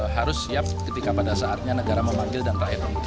harus siap ketika pada saatnya negara memanggil dan rakyat